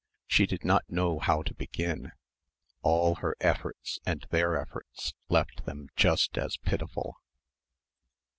She did not know how to begin. All her efforts and their efforts left them just as pitiful.